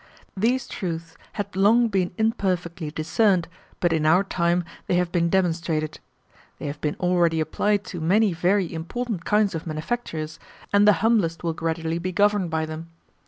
These truths had long been imperfectly discerned, but in our time they have been demonstrated. They have been already applied to many very important kinds of manufactures, and the humblest will gradually be governed by them.